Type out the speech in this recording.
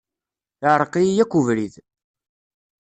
Iɛreq-iyi akk ubrid.